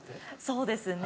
そうですね。